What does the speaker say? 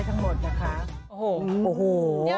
เลขสวยมาก